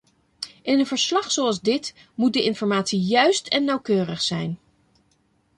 In een verslag zoals dit moet de informatie juist en nauwkeurig zijn.